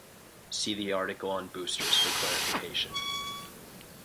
See the article on Boosters for clarification.